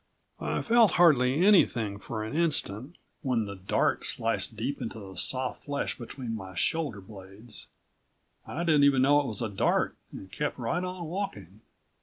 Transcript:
I felt hardly anything for an instant when the dart sliced deep into the soft flesh between my shoulder blades. I didn't even know it was a dart and kept right on walking.